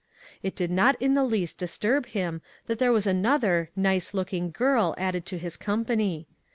It did not in the least disturb him that there was another " nice " looking girl added to his company.